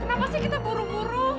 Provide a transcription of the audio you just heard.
kenapa sih kita buru buru